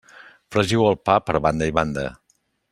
Fregiu el pa per banda i banda.